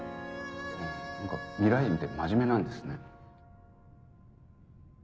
何か未来人って真面目なんですね。